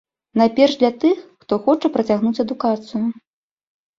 Найперш для тых, хто хоча працягнуць адукацыю.